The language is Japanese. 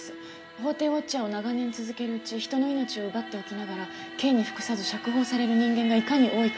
「法廷ウォッチャーを長年続けるうち人の命を奪っておきながら刑に服さず釈放される人間がいかに多いかに気づき憤った」